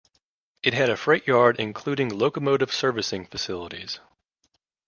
It had a freight yard including locomotive servicing facilities.